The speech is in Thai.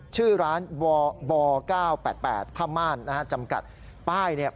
ชื่อร้านบ๙๘๘ผ้าม่านจำกัดป้าย